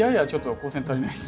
光線が足りないです。